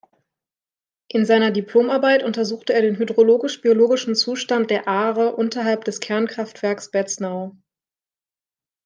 In seiner Diplomarbeit untersuchte er den hydrologisch-biologischen Zustand der Aare unterhalb des Kernkraftwerks Beznau.